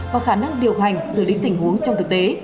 và khả năng điều hành xử lý tình huống trong thực tế